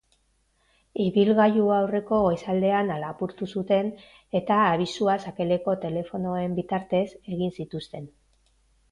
Ibilgailua aurreko goizaldean lapurtu zuten eta abisua sakeleko telefonoen bitartez egin zituzten.